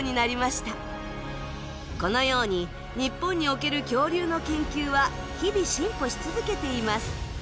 このように日本における恐竜の研究は日々進歩し続けています。